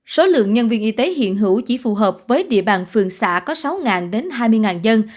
số lượng nhân viên y tế hiện hữu chỉ phù hợp với địa bàn phường xã có sáu đến hai mươi dân